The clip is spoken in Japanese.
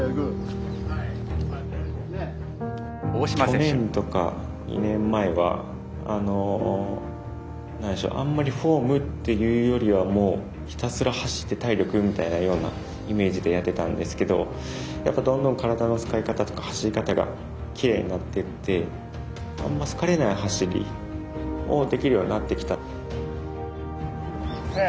去年とか２年前はあんまりフォームというよりはひたすら走って体力みたいなようなイメージでやっていたんですけどどんどん体の使い方とか走り方がきれいになっていってあまり疲れない走りをできるようになってきた。